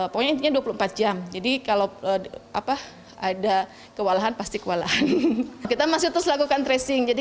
poinnya dua puluh empat jam jadi kalau apa ada kewalahan pasti kewalahan kita masih terus lakukan tracing jadi